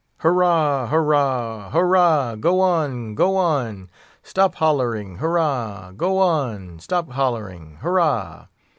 "Hurrah! hurrah! hurrah!—go on! go on!—stop hollering—hurrah!—go on!—stop hollering—hurrah!"